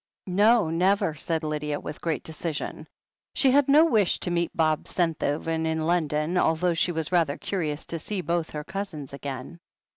"No, never," said Lydia, with great decision. She had no wish to meet Bob Senthoven in London, although she was rather curious to see both her cousins again.